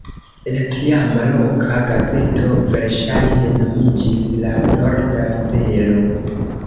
La tiama loka gazeto verŝajne nomiĝis "La Norda Stelo".